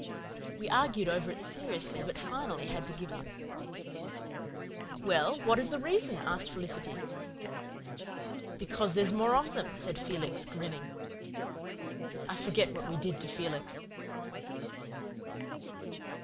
We argued over it seriously, but finally had to give it up. "Well, what is the reason?" asked Felicity. "Because there's more of them," said Felix, grinning. I forget what we did to Felix.